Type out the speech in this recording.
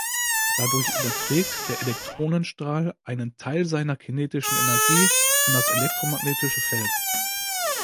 Dadurch überträgt der Elektronenstrahl einen Teil seiner kinetischen Energie an das elektromagnetische Feld.